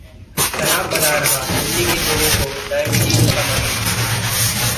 तनाव बना रहा दिल्ली के लोगों को डायबीटीज का मरीज